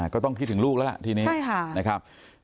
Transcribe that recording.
ก็ต้องคิดถึงลูกแล้วล่ะทีนี้นะครับ